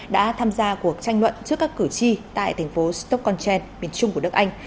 đã tham gia cuộc tranh luận trước các cử tri tại thành phố stockholm miền trung của đức anh